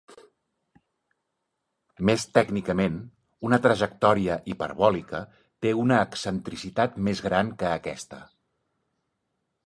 Més tècnicament, una trajectòria hiperbòlica té una excentricitat més gran que aquesta.